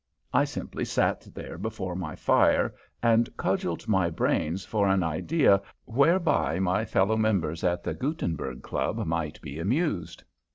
I simply sat there before my fire and cudgelled my brains for an idea whereby my fellow members at the Gutenberg Club might be amused.